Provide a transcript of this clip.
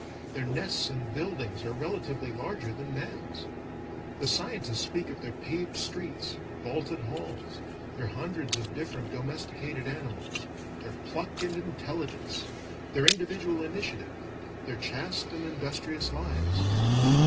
Their nests and buildings are relatively larger than man's. The scientists speak of their paved streets, vaulted halls, their hundreds of different domesticated animals, their pluck and intelligence, their individual initiative, their chaste and industrious lives.